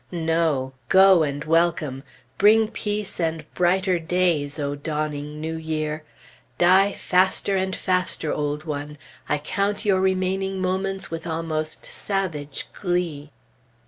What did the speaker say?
No! Go and welcome! Bring Peace and brighter days, O dawning New Year. Die, faster and faster, Old One; I count your remaining moments with almost savage glee.